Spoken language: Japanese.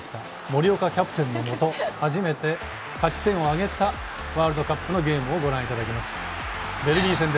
森岡キャプテンのもと初めて勝ち点を挙げたワールドカップのゲームをご覧いただきます。